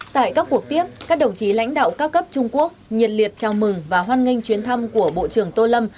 tại các cuộc tiếp các đồng chí lãnh đạo cao cấp trung quốc nhiệt liệt chào mừng và hoan nghênh chuyến thăm của bộ trưởng tô lâm